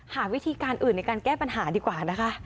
หาวิธีการอื่นในการแก้ปัญหาดีกว่านะคะ